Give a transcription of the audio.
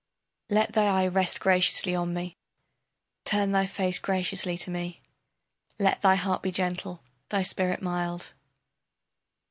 ] Let thy eye rest graciously on me.... Turn thy face graciously to me.... Let thy heart be gentle, thy spirit mild....